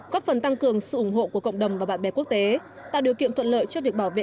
góp phần tăng cường sự ủng hộ của cộng đồng và bạn bè quốc tế tạo điều kiện thuận lợi cho việc bảo vệ